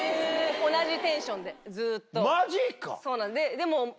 同じテンションでずっと。